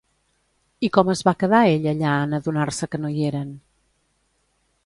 I com es va quedar ell allà en adonar-se que no hi eren?